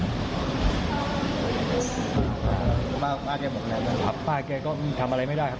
ป้าแก่หมดแรงแล้วครับป้าแก่ก็ทำอะไรไม่ได้ครับ